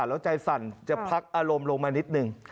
แล้วใจสั่นจะพักอารมณ์ลงมานิดนึง